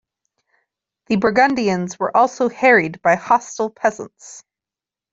The Burgundians were also harried by hostile peasants.